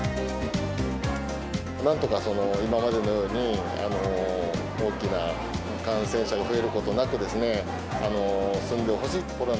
なんとか今までのように、大きな感染者が増えることなくですね、進んでほしい。